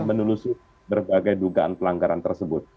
menelusuri berbagai dugaan pelanggaran tersebut